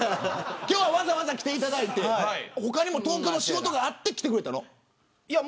今日は、わざわざ来ていただいて他にも東京の仕事があって来てくれたの。